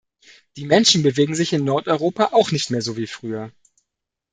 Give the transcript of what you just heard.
Die Menschen bewegen sich in Nordeuropa auch nicht mehr so wie früher.